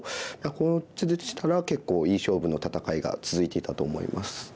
この図でしたら結構いい勝負の戦いが続いていたと思います。